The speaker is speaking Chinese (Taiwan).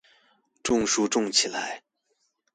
種樹種起來